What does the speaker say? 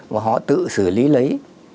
và họ tự xử lý lấy